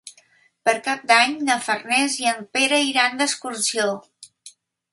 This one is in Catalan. Per Cap d'Any na Farners i en Pere iran d'excursió.